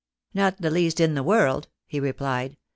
" Not the least in the world," he replied.